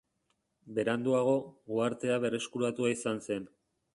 Beranduago, uhartea berreskuratua izan zen.